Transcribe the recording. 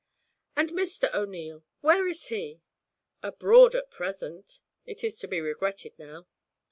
'And Mr. O'Neil where is he?' 'Abroad at present; it is to be regretted now.'